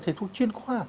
thầy thuốc chuyên khóa